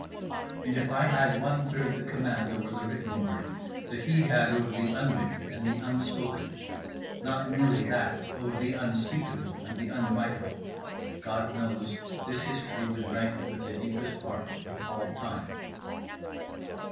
And if I had one third the command over the written word that he had over the unwritten and the unspoken—not merely that; over the unspeakable and the unwritable—God knows this history would rank with the deepest art of all time.